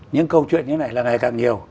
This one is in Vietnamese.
những câu chuyện như này là ngày càng nhiều